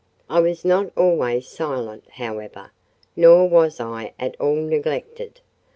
I was not always silent, however; nor was I at all neglected.